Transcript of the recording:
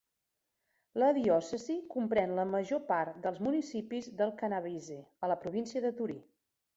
La diòcesi comprèn la major part dels municipis del Canavese, a la província de Torí.